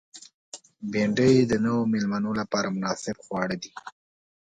بېنډۍ د نوو مېلمنو لپاره مناسب خواړه دي